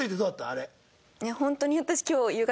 あれ？